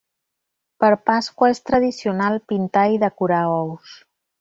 Per Pasqua és tradicional pintar i decorar ous.